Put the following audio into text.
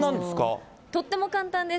とっても簡単です。